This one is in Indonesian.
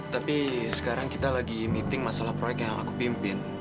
tapi sekarang kita lagi meeting masalah proyek yang aku pimpin